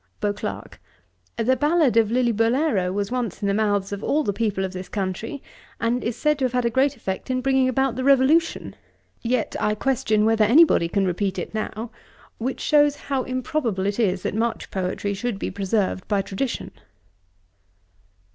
BEAUCLERK. 'The ballad of Lilliburlero was once in the mouths of all the people of this country, and is said to have had a great effect in bringing about the Revolution. Yet I question whether any body can repeat it now; which shews how improbable it is that much poetry should be preserved by tradition.'